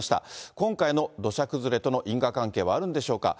今回の土砂崩れとの因果関係はあるんでしょうか。